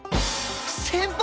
先輩！？